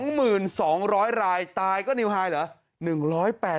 ๒หมื่น๒๐๐รายตายก็ดิงฮายเหรอ